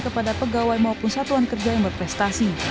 kepada pegawai maupun satuan kerja yang berprestasi